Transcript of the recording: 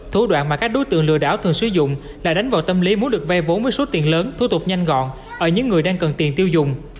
thủ đoạn mà các đối tượng lừa đảo thường sử dụng là đánh vào tâm lý muốn được vay vốn với số tiền lớn thu tục nhanh gọn ở những người đang cần tiền tiêu dùng